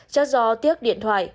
chắc do tiếc điện thoại